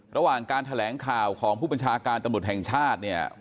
ระหว่างการแถลงข่าวของผู้บัญชาการตำรวจแห่งชาติเนี่ย